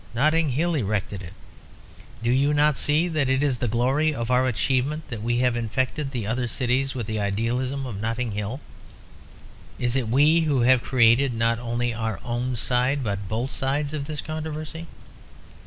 Notting Hill erected it. Do you not see that it is the glory of our achievement that we have infected the other cities with the idealism of Notting Hill? It is we who have created not only our own side, but both sides of this controversy.